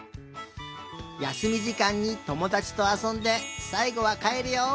やすみじかんにともだちとあそんでさいごはかえるよ。